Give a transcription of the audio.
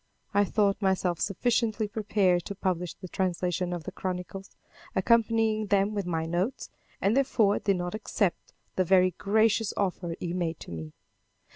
I thought myself sufficiently prepared to publish the translation of the chronicles, accompanying them with my notes, and, therefore, did not accept the very gracious offer he made to me.